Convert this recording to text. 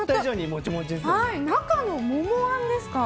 中の桃あんですか？